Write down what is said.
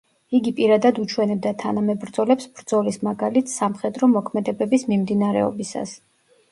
იგი პირადად უჩვენებდა თანამებრძოლებს ბრძოლის მაგალითს სამხედრო მოქმედებების მიმდინარეობისას.